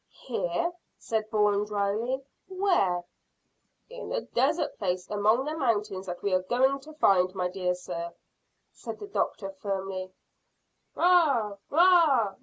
"Here!" said Bourne dryly. "Where?" "In the desert place among the mountains that we are going to find, my dear sir," said the doctor firmly. "_Bagh!